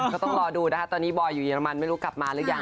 ก็ต้องรอดูนะคะตอนนี้บอยอยู่เรมันไม่รู้กลับมาหรือยัง